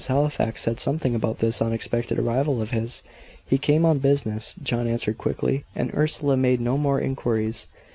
Halifax said something about this unexpected arrival of his. "He came on business," John answered quickly, and Ursula made no more inquiries.